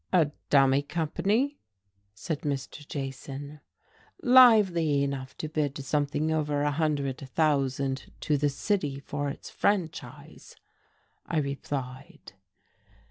"A dummy company?" said Mr. Jason. "Lively enough to bid something over a hundred thousand to the city for its franchise," I replied.